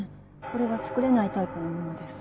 これは作れないタイプのものです。